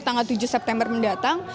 tanggal tujuh september mendatang